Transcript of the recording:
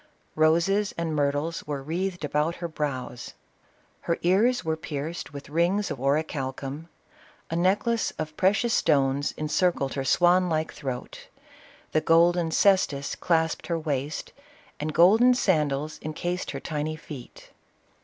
Roses and myrtles were wreathed about her brows ; her ears were pierced with rings of orichalcum ; a necklace of precious stones encircled her swan like throat; the golden cestus clasped her waist, and golden sandals in cased her tiny feet.